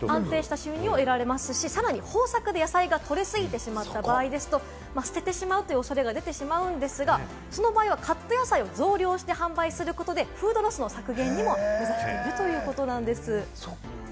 さらに豊作で野菜が取れ過ぎてしまった場合、捨ててしまうという恐れが出てしまうんですが、その場合はカット野菜を増量して販売することでフードロスの削減にもも目指しているということです。